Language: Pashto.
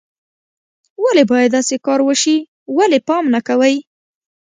ولې باید داسې کار وشي، ولې پام نه کوئ